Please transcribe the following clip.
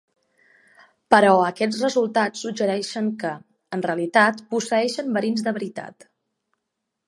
Però aquests resultats suggereixen que, en realitat, posseeixen verins de veritat.